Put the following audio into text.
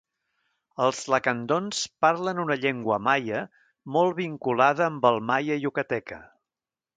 Els lacandons parlen una llengua maia molt vinculada amb el maia yucateca.